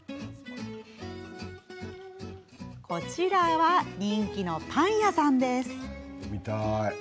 こちらは人気のパン屋さん。